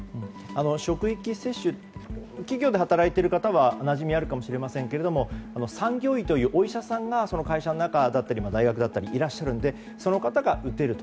職域接種って企業で働いている方はなじみがあるかもしれませんが産業医というお医者さんがその会社だったり大学の中にいらっしゃるのでその方が打てると。